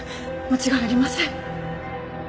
間違いありません。